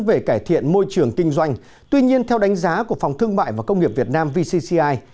về cải thiện môi trường kinh doanh tuy nhiên theo đánh giá của phòng thương mại và công nghiệp việt nam vcci